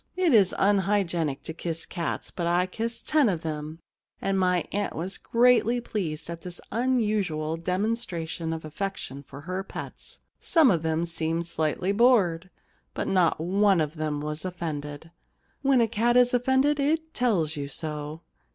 It is unhygienic to kiss cats, but I kissed ten of them, and my aunt was greatly pleased at this unusual demonstration of affection for her pets. Some of them seemed slightly bored, but not one was offended. When a cat is offended it tells you so.